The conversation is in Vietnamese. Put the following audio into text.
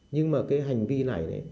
nhưng mà cái hành vi này